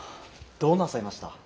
どうなさいました？